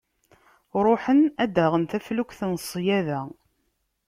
Ruḥen ad d-aɣen taflukt n ssyaḍa.